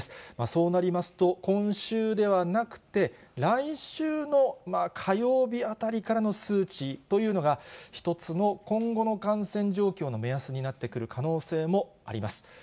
そうなりますと、今週ではなくて、来週の火曜日あたりからの数値というのが、一つの今後の感染状況の目安になってくる可能性もあります。